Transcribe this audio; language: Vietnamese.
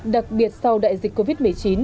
đặc biệt sau đại dịch covid một mươi chín